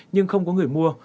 nhưng không có người mua